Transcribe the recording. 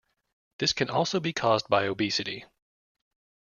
This can also be caused by obesity.